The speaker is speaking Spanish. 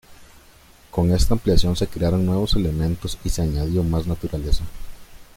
Con esta ampliación se crearon nuevos elementos y se añadió más naturaleza.